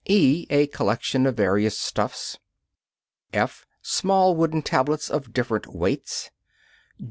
(e) A collection of various stuffs. (f) Small wooden tablets of different weights.